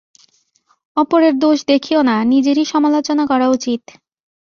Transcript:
অপরের দোষ দেখিও না, নিজেরই সমালোচনা করা উচিত।